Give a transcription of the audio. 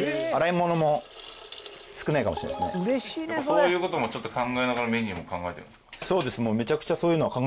そういう事もちょっと考えながらメニューも考えてるんですか？